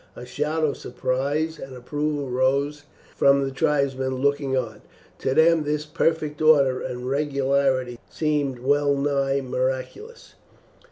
A shout of surprise and approval rose from the tribesmen looking on. To them this perfect order and regularity seemed well nigh miraculous.